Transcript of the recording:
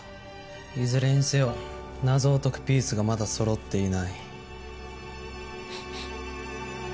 いずれにせよ謎を解くピースがまだそろっていない。